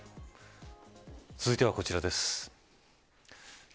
続いてはこちらです。